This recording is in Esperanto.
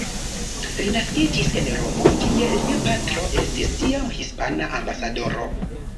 Li naskiĝis en Romo, kie lia patro estis tiam hispana ambasadoro.